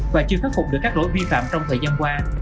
và chưa khắc phục được các lỗi vi phạm trong thời gian qua